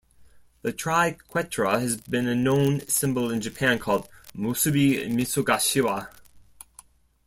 The triquetra has been a known symbol in Japan called "Musubi Mitsugashiwa".